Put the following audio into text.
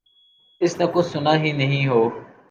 اس نے کچھ سنا ہی نہیں ہو۔